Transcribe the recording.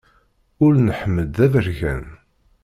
Ul n Ḥmed d aberkan.